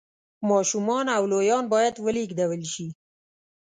ماشومان او لویان باید ولېږدول شي